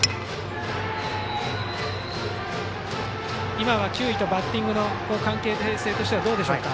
今は球威とバッティングの関係性としてはどうですか。